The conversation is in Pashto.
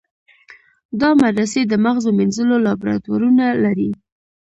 دا مدرسې د مغزو مینځلو لابراتوارونه لري.